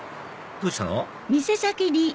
どうしたの？